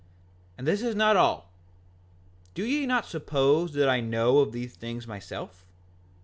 5:45 And this is not all. Do ye not suppose that I know of these things myself?